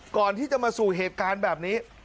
ก่อนที่จะมาสู่เหตุการณ์แบบนี้